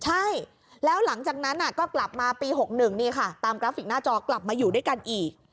ใช่แล้วหลังจากนั้นก็กลับมาปี๖๑นี่ค่ะตามกราฟิกหน้าจอกลับมาอยู่ด้วยกันอีก